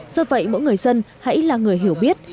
do vậy mỗi người dân hãy là người hiểu biết